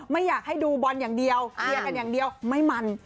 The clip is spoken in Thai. ไม่อยากให้ดูบอลอย่างเดียวเคลียร์กันอย่างเดียวไม่มัน